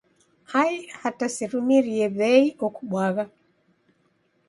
Ai hata sirumirie w'ei okubwagha.